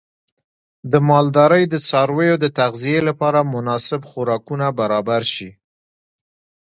د مالدارۍ د څارویو د تغذیې لپاره مناسب خوراکونه برابر شي.